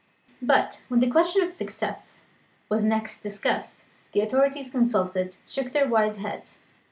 But, when the question of success was next discussed, the authorities consulted shook their wise heads.